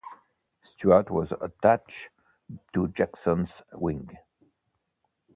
Stuart was attached to Jackson's wing.